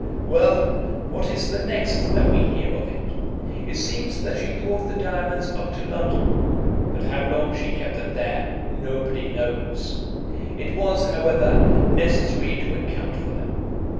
Well, what is the next that we hear of it? It seems that she brought the diamonds up to London; but how long she kept them there, nobody knows. It was, however, necessary to account for them.